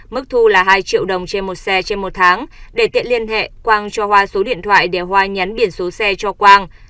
mức thu là hai triệu đồng trên một xe trên một tháng để tiện liên hệ quang cho hoa số điện thoại để hoa nhắn biển số xe cho quang